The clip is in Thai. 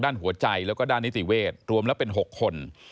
ด้านหัวใจแล้วก็ด้านนิติเวศรวมแล้วเป็น๖คน